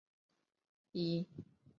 一个电话将他从查处名单上撤除。